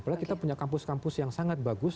padahal kita punya kampus kampus yang sangat bagus